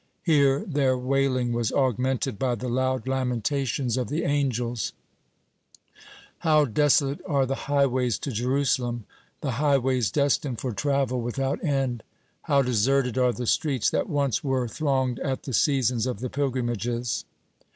Here their wailing was augmented by the loud lamentations of the angels: (32) "How desolate are the highways to Jerusalem, the highways destined for travel without end! How deserted are the streets that once were thronged at the seasons of the pilgrimages!